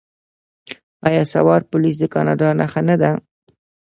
آیا سوار پولیس د کاناډا نښه نه ده؟